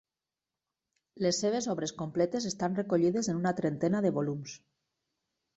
Les seves obres completes estan recollides en una trentena de volums.